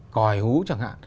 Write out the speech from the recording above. còi hú chẳng hạn